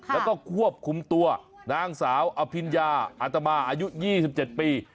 แล้วก็ควบคุมตัวนางสาวอภิญญาอัตมาอายุ๒๗ปี